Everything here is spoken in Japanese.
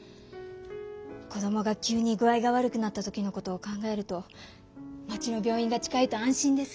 こどもが急に具合が悪くなったときのことを考えると町の病院が近いと安心です。